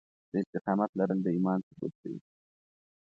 د استقامت لرل د ايمان ثبوت دی.